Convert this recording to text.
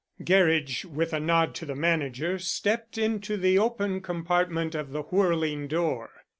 Gerridge, with a nod to the manager, stepped into the open compartment of the whirling door.